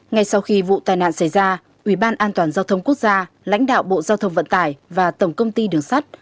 ngay sau khi vụ tai nạn xảy ra ubndgq lãnh đạo bộ giao thông vận tải và tổng công ty đường sắt